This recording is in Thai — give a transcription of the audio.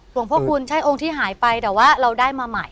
หลวงพ่อคุณใช่องค์ที่หายไปแต่ว่าเราได้มาใหม่